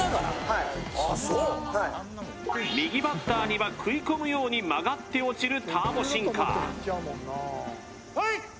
はいはい右バッターには食い込むように曲がって落ちるターボシンカープレイ